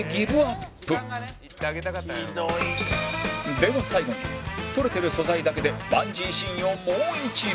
では最後に撮れてる素材だけでバンジーシーンをもう一度